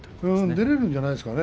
出られるんじゃないですかね。